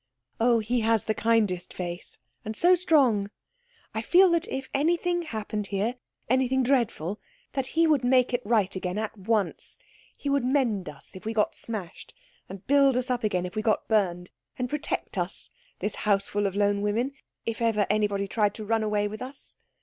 "Oh, he has the kindest face. And so strong. I feel that if anything happened here, anything dreadful, that he would make it right again at once. He would mend us if we got smashed, and build us up again if we got burned, and protect us, this houseful of lone women, if ever anybody tried to run away with us."